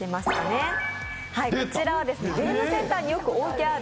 こちらはゲームセンターによく置いてある